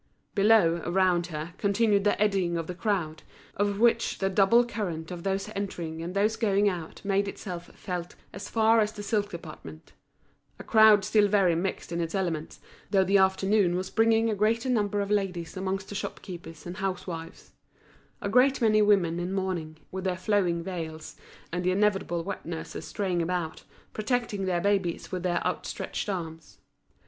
Below, around her, continued the eddying of the crowd, of which the double current of those entering and those going out made itself felt as far as the silk department; a crowd still very mixed in its elements, though the afternoon was bringing a greater number of ladies amongst the shopkeepers and house wives; a great many women in mourning, with their flowing veils, and the inevitable wet nurses straying about, protecting their babies with their outstretched arms.